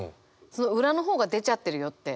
その裏の方が出ちゃってるよって。